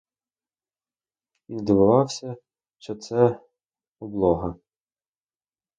І не дивувався, що це облога.